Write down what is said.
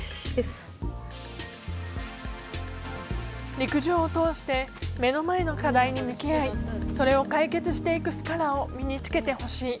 陸上を通して目の前の課題に向き合いそれを解決していく力を身につけてほしい。